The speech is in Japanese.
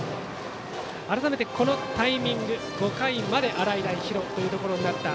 改めて、このタイミング５回まで洗平比呂となった。